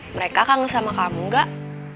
mereka kan ngesama kamu enggak